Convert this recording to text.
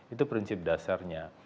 itu prinsip dasarnya